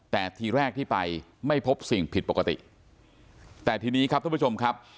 แต่ทีแรกที่ไปไม่พบสิ่งผิดปกติแต่ทีนี้ครับทุกผู้ชมครับ